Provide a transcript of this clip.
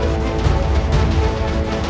ini mah aneh